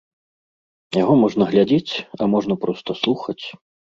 Яго можна глядзець, а можна проста слухаць.